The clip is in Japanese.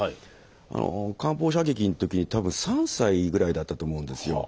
あの艦砲射撃の時に多分３歳ぐらいだったと思うんですよ。